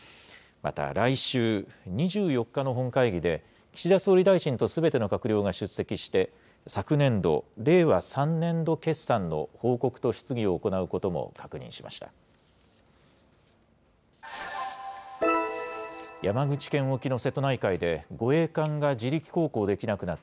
また来週２４日の本会議で、岸田総理大臣とすべての閣僚が出席して、昨年度・令和３年度決算の報告と質疑を行うことも確認しました。